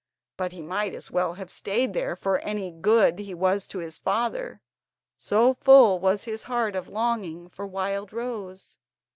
But he might as well have stayed there, for any good he was to his father, so full was his heart of longing for Wildrose.